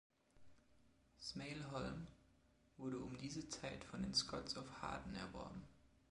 Smailholm wurde um diese Zeit von den Scotts of Harden erworben.